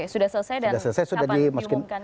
sudah selesai dan dapat diumumkan ya